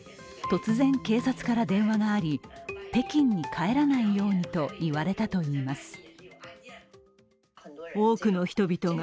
突然、警察から電話があり北京に帰らないようにと言われたといいます。